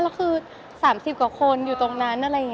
แล้วคือสามสิบกว่าคนอยู่ตรงนั้น